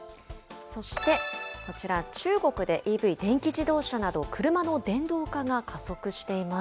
そしてこちら、中国でＥＶ・電気自動車など車の電動化が加速しています。